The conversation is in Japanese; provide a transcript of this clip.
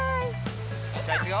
じゃあいくよ！